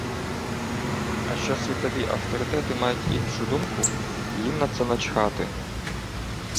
А що світові авторитети мають іншу думку – їм на це начхати